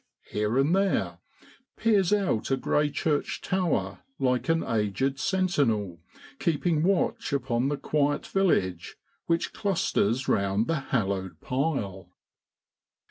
here and there, peers out a grey church tower like an aged sentinel keeping watch upon the quiet village which clusters round the hallowed pile.